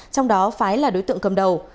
trong đó phái là đối tượng cầm đầu